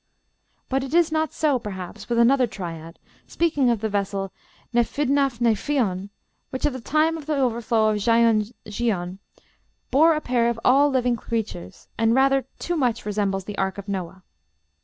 "But it is not so, perhaps, with another triad, speaking of the vessel Nefyddnaf Neifion, which at the time of the overflow of Llyon llion, bore a pair of all living creatures, and rather too much resembles the ark of Noah.